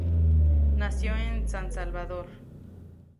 Nació en San Salvador.